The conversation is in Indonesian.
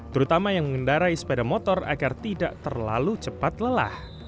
terutama yang mengendarai sepeda motor agar tidak terlalu cepat lelah